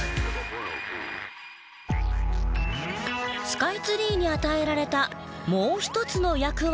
スカイツリーに与えられたもう一つの役割とは？